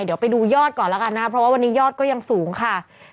เดี๋ยวไปดูยอดก่อนแล้วกันนะครับเพราะว่าวันนี้ยอดก็ยังสูงค่ะ